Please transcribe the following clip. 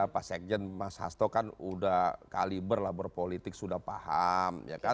pak sekjen mas hasto kan sudah kaliber lah berpolitik sudah paham